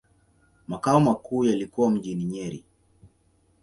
Makao makuu yalikuwa mjini Nyeri.